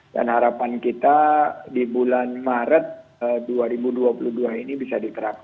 dan harapan kita di bulan maret dua ribu dua puluh dua